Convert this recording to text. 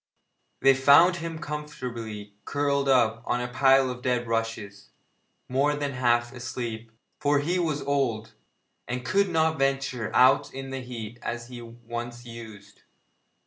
They found him comfortably curled up on a pile of dead rushes, more than half asleep, for he was old, and could not venture out in the heat as he once used.